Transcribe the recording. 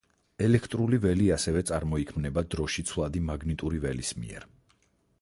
ელექტრული ველი ასევე წარმოიქმნება დროში ცვლადი მაგნიტური ველის მიერ.